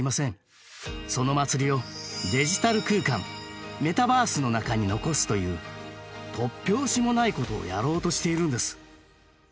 その祭りをデジタル空間メタバースの中に残すという突拍子もないことをやろうとしているんです。